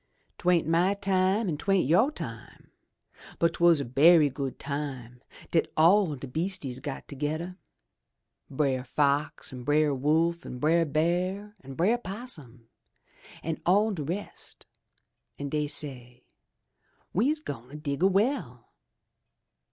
" Twa'n't my time an' 'twa'n't you' time, but 'twas a berry good time dat all de beastises got togeder — Brer Fox an' Brer Wolf an' Brer Bear an' Brer 'Possum an' all de rest, an' dey say, *We's gwine dig a well!'